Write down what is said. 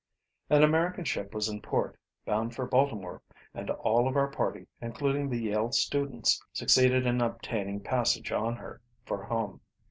An American ship was in port, bound for Baltimore, and all of our party, including the Yale students, succeeded in obtaining passage on her for home.